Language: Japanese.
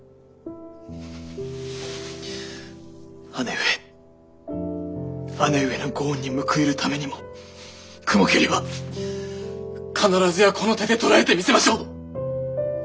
姉上姉上のご恩に報いるためにも雲霧は必ずやこの手で捕らえてみせましょう！